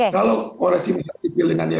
kalau koresimisasi pilihannya